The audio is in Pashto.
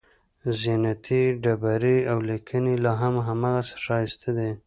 زینتي ډبرې او لیکنې لاهم هماغسې ښایسته دي.